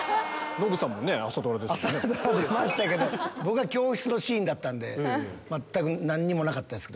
僕は教室のシーンだったんで全く何もなかったですけど。